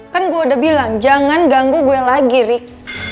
kan gue udah bilang jangan ganggu gue lagi rik